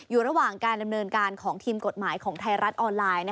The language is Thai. อยู่ระหว่างการดำเนินการของทีมกฎหมายของไทยรัฐออนไลน์